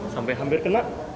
sampai hampir kena